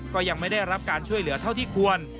ก็ยังไม่ได้รับการช่วยเหลือเท่าที่ควร